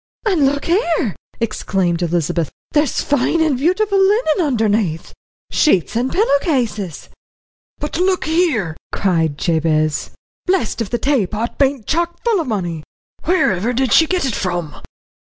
"And look here!" exclaimed Elizabeth, "there's fine and beautiful linen underneath sheets and pillow cases." "But look here!" cried Jabez, "blessed if the taypot bain't chock full o' money! Whereiver did she get it from?"